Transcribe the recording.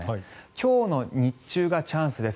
今日の日中がチャンスです。